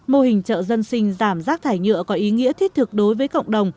mô hình chợ dân sinh giảm rác thải nhựa có ý nghĩa thiết thực đối với cộng đồng